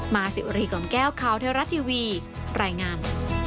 มาสิวรีของแก้วคาวเทอร์รัสทีวีรายงาน